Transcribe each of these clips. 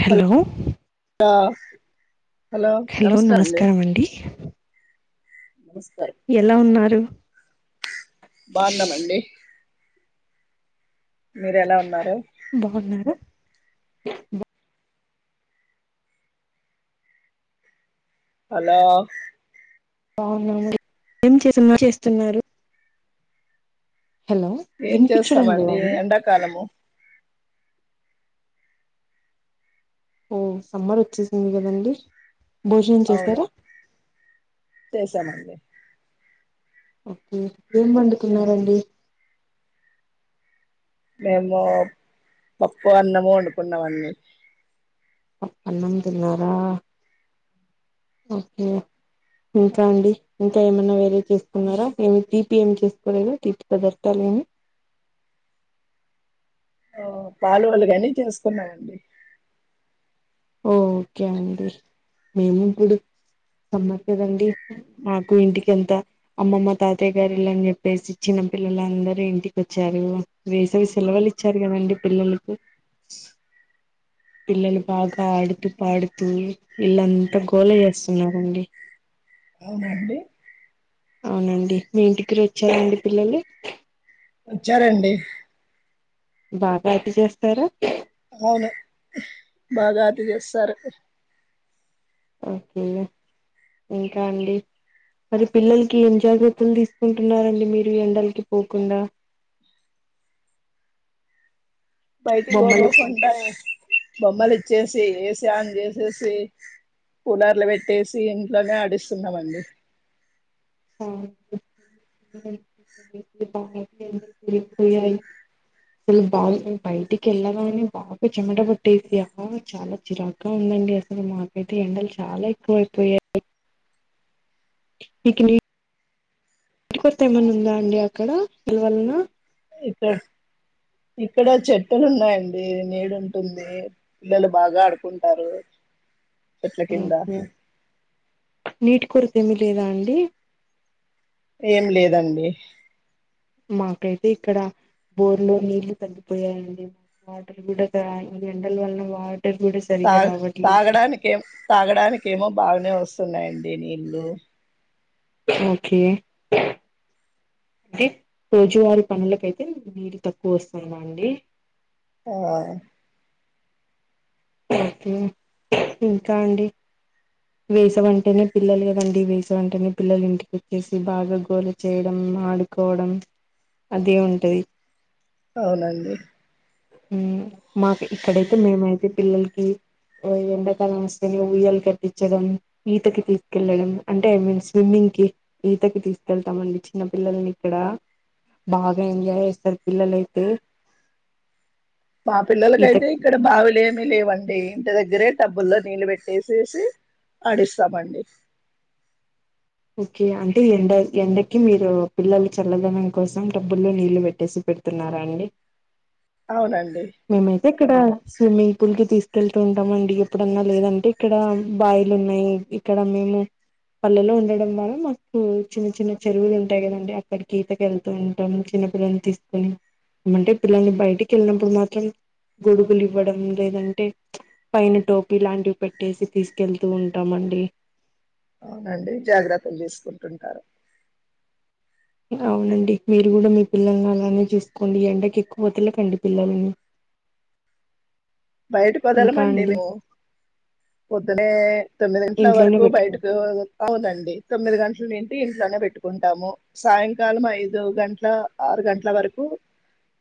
Hello hello నమస్కారం అండి. నమస్కారం ఎలా ఉన్నారు. బాగున్నమండి. మీరు ఎలా ఉన్నారు. బ హలో అవున మరి ఏం చేసు చేస్తున్నారు. హలో ఏం వినిపించడం లేదా చేస్తామండి, అండి ఎండాకాలము. ఓ సమ్మర్ వచ్చేసింది కదండి. భోజనం అవును చేస్తారా. చేసామండి. ఓకే ఏం వండుకున్నారండి. మేము పప్పు అన్నము వండుకున్నాము అండి. పప్పన్నం తిన్నారా ఓకే ఇంకా అండి ఇంకా ఏమన్నా వేరే చేసుకున్నారా ఏమి తీపి ఏమి చేసుకోలేదు, తీపి పదార్థాలు ఏమి. ఆ పాలువలు గానీ చేసుకున్నాం అండి. ఓకే అండి మేము ఇప్పుడు సమ్మర్ కదండి మాకు ఇంటికి ఎంత అమ్మమ్మ తాతయ్య గారిల్లు అని చెప్పేసి చిన్నపిల్లలందరూ ఇంటికి వచ్చారు. వేసవి సెలవులు ఇచ్చారు కదండి పిల్లలకు. పిల్లలు బాగా ఆడుతూ, పాడుతూ ఇళ్లంతా గోళ చేస్తున్నారండి. అవునా అండి. అవునండి మీ ఇంటి కూడా వచ్చారండి పిల్లలు. వచ్చారండి. బాగా అతి చేస్తారా. అవును బాగా అతి చేస్తారు. ఓకే ఇంకా అండి. మరి పిల్లలకి ఏం జాగ్రత్తలు తీసుకుంటున్నారండి మీరు ఎండలకి పోకుండా. బయటికి బొమ్మలు పోకోకుంటా బొమ్మలు ఇచ్చేసి ఏసీ ఆన్ చేసేసి కూలర్లు పెట్టేసి ఇంట్లోనే ఆడిస్తున్నామండి. ారిగిపోయాయి అసలు బాగా బయటికి వెళ్ళగానే బాగా చెమట పట్టేసి ఆ చాలా చిరాకుగా ఉందండి అసలు మాకైతే ఎండలు చాలా ఎక్కువయిపోయాయి. ఇకని ఇ కొత్త ఏమన్నా ఉందా అండి అక్కడ దీనివలన ఇక్కడ ఇక్కడ చెట్టులు ఉన్నాయండి నీడ ఉంటుంది పిల్లలు బాగా ఆడుకుంటారు. చెట్ల కింద హుహ్ నీటి కొరు తెమీలేదా అండి. ఏం లేదండి. మాకైతే ఇక్కడ బోర్లో నీళ్లు తగ్గిపోయాయండి. వాటర్ కూడా ఆ ఎండల వలన వా తా తాగడానినికి ఏం తాగడానికి ఏమో బా నే వస్తున్నాయండి నీళ్ళు. ఓకే అంటే రోజువారి పనులకైతే నీరు తక్కువ వస్తుందా అండి. ఆ ఇంకా అండి వేసవంటేనే పిల్లలు కదండి. వేసవంటనే పిల్లలు ఇంటిక వచ్చేసి బాగా గోల చేయడం, ఆడుకోవడం అదే ఉంటది. అవునండి. హ్ మాకు ఇక్కడైతే మేమైతే పిల్లలకి ఎండకాలం వస్తేనే ఉయ్యల కట్టించడం. ఈతకి తీసుకెళ్ళడం. అంటే ఐ మీన్ స్విమ్మింగ్ కి ఈతకి తీసుకెళ్తామండి. చిన్న పిల్లల్ని ఇక్కడ బాగా ఎంజాయ్ చేస్తారు. పిల్లలైతే మా పిల్లలకైతే ఈతకి ఇక్కడ బావులేం లేవండి ఇంటి దగ్గరే టబ్బుల్లో నీళ్ళు పెట్టేసేసి ఆడిస్తామండి ఓకే అంటే ఎండ ఎండకి మీరు పిల్లలు చల్లదనం కోసం డబ్బుల్లో నీళ్ళు పెట్టేసి పెడుతున్నారా అండి అవునండి మేమైతే ఇక్కడ స్విమ్మింగ్ పూల్ కి తీసుకెళ్తూ ఉంటామండి. ఎప్పుడన్నా లేదంటే ఇక్కడ బాయిలు ఉన్నాయి. ఇక్కడ మేము పల్లెలో ఉండ డం వల్ల మాకు చిన్న చిన్న చెరువులు ఉంటాయి. కదండి అక్కడికి ఈతక వెళ్తూ ఉంటాం. చిన్న పిల్లల్ని తీసుకొని ఏమంటే పిల్లల్ని బయటికి వెళ్ళినప్పుడు మాత్రం గొడుగులు ఇవ్వడం లేదంటే పైన టోపి లాంటివి పెట్టేసి తీసుకెళ్తూ ఉంటాం. అండి అవునండి జాగ్రత్తలు తీసుకుంటుంటారు అవునండి మీరు కూడా మీ పిల్లల్ని అలానే చూసుకోండి. ఎండకి ఎక్కువదలకండి పిల్లలను బయటకు వదలమండి మేము పొద్దునే తొమ్మిదింట్ల ఇంట్లోనే వరకు పెట్టుకోండి బయటకు అవునండి. తొమ్మిది గంటల నుంటి ఇంట్లోనే పెట్టుకుంటాము. సాయంకాలం ఐదు గంటల ఆరు గంటల వరకు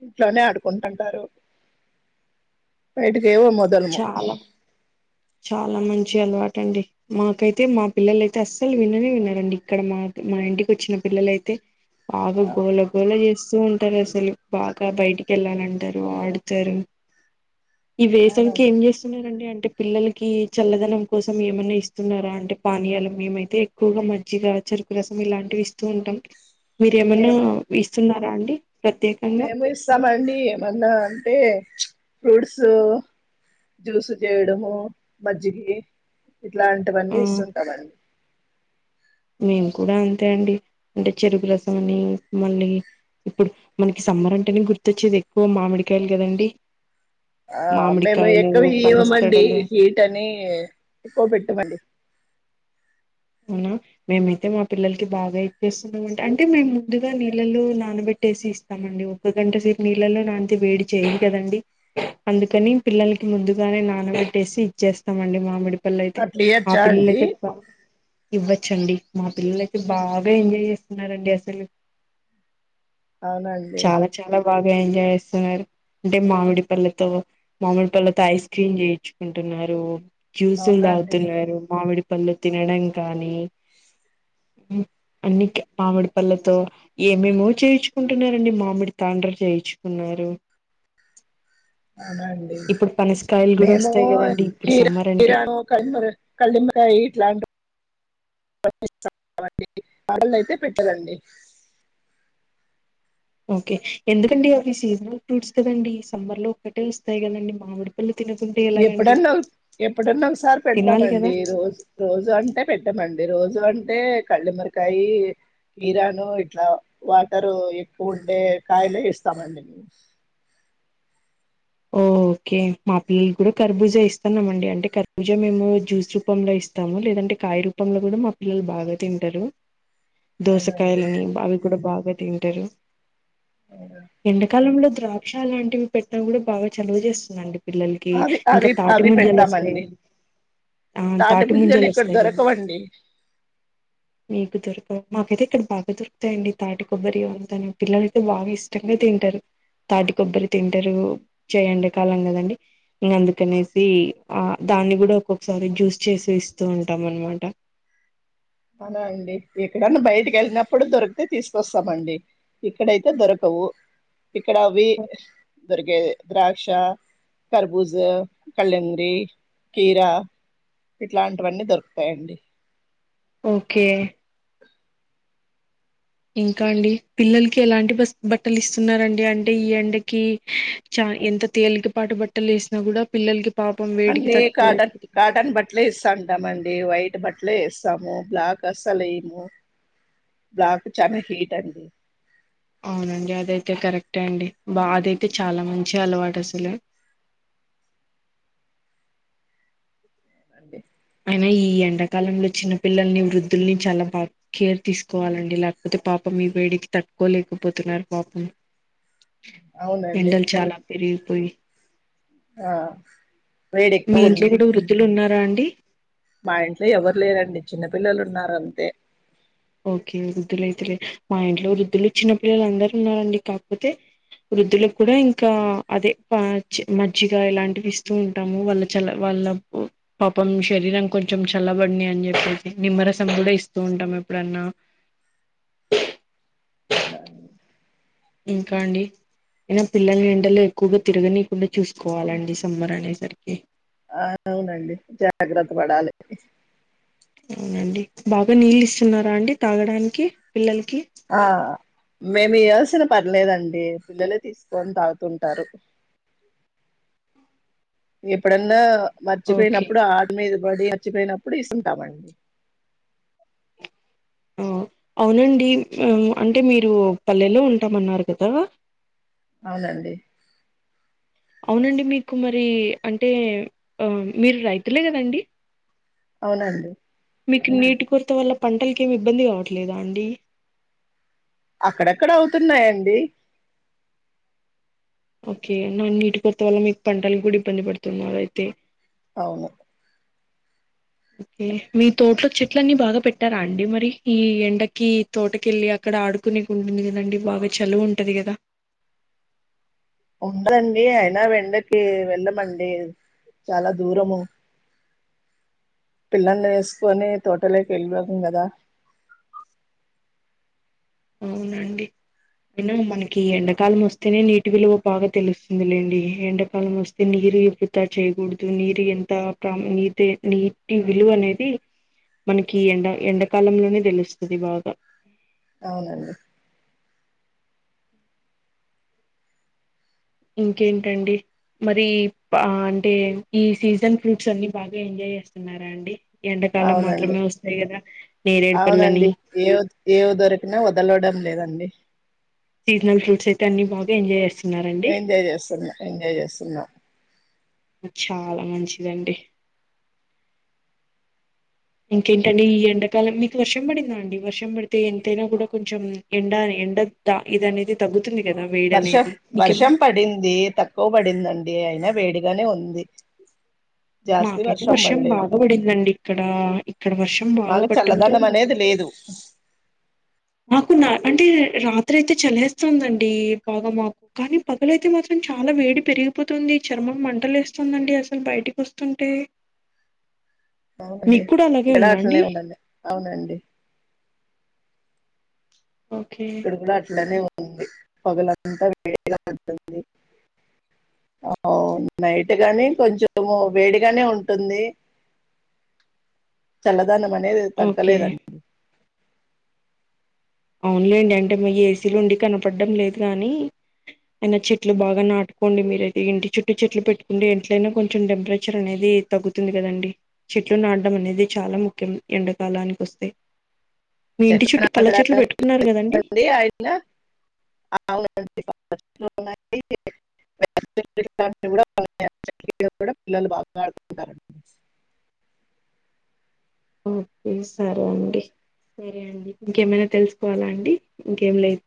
ఇంట్లోనే ఆడుకుంటుంటారు. ఎడు చాలా చాలా మంచి అలవాట్ టండి. మాకైతే మా పిల్లలు అయితే అస్సలు విననే విన్నారండి. ఇక్కడ మా మా ఇంటికి వోచ్చిన పిల్లలైతే పాప ఆ గోల గోల చేస్ స్తు ఉంటారు. అసలు బాగా బయటికి వెళ్ళాలంటారు ఆడుతారు. ఇ వేసవి ఏం అవునండి చేస్తున్నారండి అ టే పిల్లలకి చల్లదనం కోసం ఏమన్నా ఇస్తున్నారా అంటే పానీయాలు మేమైతే ఎక్కువగా మజ్జిగా చెరుకు రసం ఇలాంటివి ఇస్తూ ఉంటాం. మీరేమన్నా మేము ఇస్ స్తున్నారా అండి ప్రత్యేకంగా మేము ఇస్తామండి ఏమన్నా అంటే ఫ్రూట్స్ జ్యూస్ చేయడము మజ్జిగి ఇట్లాంటివన్నీ ఆ ఇస్తుంటామండి మేము కూడా అంతే అండి. అంటే చెరుగు రసం అని మళ్ళీ ఇప్పుడు మనకి సమ్మర్ అంటేనే గుర్తొచ్చేది ఎక్కువ మామిడికాయలు కదండి. ఆ మేము మామిడికాయలు ఎక్కువ ఇవ్వమండి పనస్తడలు హీట్ అని ఎక్కువ పెట్టమండి అవునా మేమైతే మా పిల్లలకి బాగా ఇచ్చేస్తున్నామండీ. అంటే మేము ముందుగా నీళ్ళలో నానబెట్టేసి ఇస్తామండి. ఒక్క గంట సేపు నీళ్ళలో నానితే వేడి చేయాదు కదండి అందుకని పిల్లలకి ముందుగానే నానబెట్టేసి ఇచ్చేస్తామండి మామిడి పండ్లయితే అట్లా ఆ ఇయొచ్చా పిల్లలు అండి అయితే ఇవ్వచ్చండి. మా పిల్లలయితే బాగా ఎంజాయ్ చేస్తున్నారండి. అసలు అవునండి చాలా చాలా బాగా ఎంజాయ్ చేస్తున్నారు. అంటే మామిడి పల్లతో మామిడి పళ్లతో ఐస్ క్రీమ్ చేయించుకుంటున్నారు. జ్యూస్ లు అవునండి తాగుతున్నారు మామీడి పళ్ళు తినడాం కానీ అన్ని మామిడి పళ్లతో ఏమేమో చేయించుకుంటున్నారండి. మామిడి తాండ్ర చేయించుకున్నారు. అవునండి ఇప్పుడు పనసకాయలు కూడా మేమో వస్తాయి కదండి ఇప్పుడు సమ్మర్ అంటే కీరానో కలింగర కాయ్ ఇట్లాంట పాటలు అయితే పెట్టదండి ఓకే ఎందుకండి అవి సీజనల్ ఫ్రూట్స్ కదండి సమ్మర్ లో ఒక్కటే వస్తాయి కదండి మామిడి పల్లి ఎప్పుడన్నా ఎప్పుడన్నా ఒకసారి తినాలి కదా పెడతామండి రోజు రోజు అంటే పెట్టమండి ప్రతి రోజు అంటే కల్లిమిరకాయ కీరాను ఇట్లా వాటరు ఎక్కువ ఉండే కాయలే ఇస్తామండి నువు ఓ ఓకే మా పిల్లలు కూడా కరభూజ ఇస్తన్నామండి. అంటే కరభూజ మేము జ్యూస్ రూపంలో ఇస్తాము. లేదంటే కాయ రూపంలో కూడా, మా పిల్లలు బాగా తింటారు. అవునండి దోసకాయలని అవి కూడా బాగు తింటరు అవును. ఎండకాలంలో ద్రాక్ష లాంటివి పెట్టిన కూడా బాగా చలువు చేస్తుండి పిల్లలకి అవి ఇంకా అవి తాటి అవి ముంజలు వస్తాయి పెడతామండి ఆ తాటి ముంజలు వస్తాయి కదా మీకు దొరకవ్ మాకైతే ఇక్కడ బాగా దొరుకుతాయండి తాటి కొబ్బరి అంతను పిల్లలయితే బాగా ఇష్టంగా తింటరు తాటి కొబ్బరి తింటరు చేయండే కాలం కదండి. ఇంకా అందుకనేసి ఆ దాన్ని కూడా ఒక్కొక్కసారి, జ్యూస్ చేసి ఇస్తూ ఉంటాం. అనమాట. అవునా అండి ఎక్కడన్నా బయటికి వెళ్ళినప్పుడు దొరికితే తీసుకొస్తామండి ఇక్కడైతే దొరకవు ఇక్కడ అవి హ్ ద్రాక్ష కర్బూజ కళంగ్రి కీరా ఇట్లాంటివన్నీ దొరుకుతాయండి ఓకే ఇంకా అండి పిల్లలకి ఎలాంటి బస్ బట్టలు ఇస్తున్నారు. అండి అంటే ఈ ఎండకి చ ఎంత తేలికపాటు బట్టలు వేసినా కూడా పిల్లలకి. పాపం వేడికి అన్ని తట్టుకోలేదు కాటన్ కాటన్ బట్టలే ఇస్తంటము అండి వైట్ అ బట్టలే వేస్తాము బ్లాక్ అస్సలు ఏయమూ బ్లాక్ చాల హీట్ అండి అవునండి అదైతే కరెక్టే అండి బా అదైతే చాలా మంచి అలవాటు అసలు అండి అయినా ఈ ఎండాకాలంలో చిన్న పిల్లల్ని వృద్ధుల్ని చాలా బా కేర్ తీసుకోవాలండి లేకపోతే పాపం మీ వేడికి తట్టుకోలేకపోతున్నారు పాపం అవునండి ఎండలు చాలా పెరిగిపోయి ఆ వేడి మీ ఎక్కువ ఇంటిల ఉంది కూడా వృద్ధులు ఉన్నారా అండి అండి మా ఇంట్లో ఎవరు లేరండి చిన్నపిల్లలు ఉన్నారంతే ఓకే వృద్ధులయితేలే. మా ఇంట్లో వృద్ధులు చిన్న పిల్లలు అందరు ఉన్నారు అండి. కాకపోతే వృద్ధులకు కూడా ఇంకా అదే మజ్జిగ ఇలాంటివి ఇస్తూ ఉంటాము. వాళ్ళ చల్ల వాళ్ళ పాపం శరీరం కొంచెం చల్లబడిని అని చెప్పేసి, నిమ్మరసం కూడా ఇస్తూ ఉంటాము ప్పు ఎప్పుడన్నా అవునండి ఇంకా అండి ఐనా పిల్లలని ఎండలో ఎక్కువగా తిరగనీకుండా చూసుకోవాలండి సమ్మర్ అనేసరికి ఆ అవునండి జాగ్రత్త పడాలి అవునండి బాగా నీళ్ళు ఇస్తున్నారా అండి తాగడానికి పిల్లలకి ఆ మేము ఇయ్యాల్సిన పర్లేదండి పిల్లలే తీసుకోని తాగుతుంటారు ఎప్పుడన్నా ఓకే మర్చిపోయినప్పుడు ఆడ మీద బడి అచ్చిపోయినప్పుడు ఇస్తుంటామండి అవునండి అంటే మీరు పల్లెలో ఉంటామన్నారు కదా అవునండి అవునండి మీకు మరి అంటే మీరు రైతులే కదండి అవునండి మీకు నీటి కొరత వల్ల పంటలకి ఏమి ఇబ్బంది కావట్లేదా అండి అక్కడక్కడ అవుతున్నాయండీ ఓకే నీటి కొరత వల్ల మీకు పంటలు కూడా ఇబ్బంది పడుతున్నారు అయితే అవును ఓకే మీ తోటలో చెట్లన్నీ బాగా పెట్టారా అండి మరి ఈ ఎండకి తోటకెళ్ళి అక్కడ ఆడుకునేక్ ఉంటుంది కదండి బాగా చలువు ఉంటది కదా ఉండదండి అయినా వెండకి వెళ్ళమండి చాలా దూరము పిల్లల్ని వేసుకొని తోటలేకి వెళ్వం కదా అవునండి అయినా మనకి ఎండాకాలం వస్తేనే నీటి విలువ బాగా తెలుస్తుందిలేండి ఎండాకాలం వస్తే నీరు ఎయుప్పుతా చేయకూడదు నీరు ఎంత ప్ర నీటి నీటి విలువ అనేది మనకి ఎండ ఎండాకాలంలోనే తెలుస్తుంది బాగా అవునండి ఇంకేంటండి మరి అంటే ఈ సీజన్ ఫ్రూట్స్ అన్ని బాగా ఎంజాయ్ చేస్తున్నారా అండి ఎండాకాలం అవునండి మాత్రమే వస్తాయి కదా నేరేడు పళ్ళని అవునండి ఎవ్ ఎవ్ దొరికిన వ దలవడం లేదండి సీజనల్ ఫ్రూట్స్ అతే అన్ని బాగా ఎంజాయ్ చేస్ ఎంజాయ్ చేస్తున్నా ఎంజాయ్ చేస్తున్నా చాలా మంచిదండి ఇంకేంటండి ఈ ఎండాకాలం మీకు వర్షం పడిందా అండి వర్షం పడితే ఎంతైనా కూడా కొంచెం ఎండ ఎండ ద ఇది అనేది తగ్గు వర్షం వర్షం పడింది తక్కువ పడిందండి అయినా వేడి గానే ఉంది జాస్తి మాకైతే వర్షం పడలేదు బాగా పడిందండి ఇక్కడ ఇక్కడ వర్షం బాగా పడం తో చల్లదనం అనేది లేదు మాకు నా అంటే రాత్రి అయితే చలేస్తుందండి బాగా మాక్ కానీ పగలైతే మాత్రం చాలా వేడి పెరిగిపోతుంది చర్మం మంటలు లేస్తుందియండీ అసలు బయటికి వస్తుంటే అవునండి మీకు కూడా అలాగే ఇక్కడా ఉందా ఆట్లనే అండి ఉందండి అవునండి ఓకే ఇక్కడ కూడా అట్లానే పగలంతా వేడిగా ఉంటుంది అ నైట్ గాని కొంచెము వేడిగానే ఉంటుంది చల్ల దనం అనేది ఓకే తగ్గలేదండి అవున్లేండి అంటే మ ఏసీలో ఉండి కనపడడం లేదు కాని అయినా చెట్లు బాగా నాటుకోండి మీరయితే ఇంటి చుట్టూ చెట్లు పెట్టుకుంటే ఎట్లైనా కొంచెం టెంపరేచర్ అనేది తగ్గుతుంది కదండి చెట్లు నాటడం అనేది చాలా ముఖ్యం ఎండాకాలానికి వస్తాయి మీ ఇంటి చుట్టూ పల్ల చెట్లు పె అండి అయిన అవునండి [inaudible] పిల్లలు బాగా ఆడుకుంటారు అండి ఓకే సరే అండి సరే అండి ఇంకేమైనా తెలుసుకోవాలా అండి ఇంకేం లేద్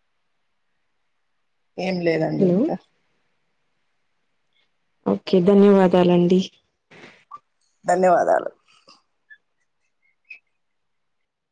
ఏం లేదండి ఇంకా ఓకే ధన్యవాదాలండి ధన్యవాదాలు